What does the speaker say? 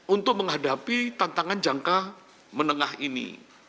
untuk menghadapi tantangan jangka menengah ini